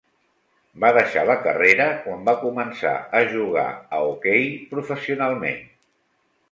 Va deixar la carrera quan va començar a jugar a hoquei professionalment.